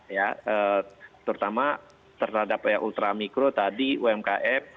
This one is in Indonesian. ya terutama terhadap ultra mikro tadi umkm